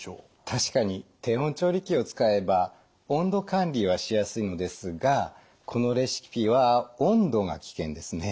確かに低温調理器を使えば温度管理はしやすいのですがこのレシピは温度が危険ですね。